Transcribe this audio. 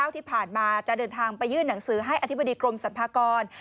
ที่ผ่านมาจะเดินทางไปยื่นหนังสือให้อธิบดีกรมสรรพากร